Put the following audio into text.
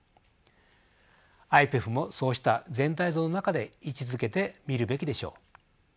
ＩＰＥＦもそうした全体像の中で位置づけて見るべきでしょう。